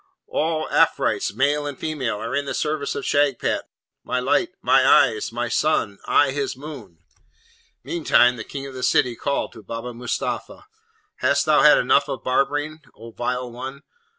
all Afrites, male and female, are in the service of Shagpat, my light, my eyes, my sun! I his moon!' Meantime the King of the City called to Baba Mustapha, 'Hast thou had enough of barbering, O vile one?